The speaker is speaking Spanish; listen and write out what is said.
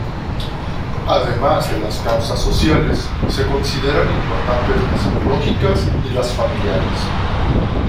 Además de las causas sociales, se consideran importantes las biológicas y las familiares.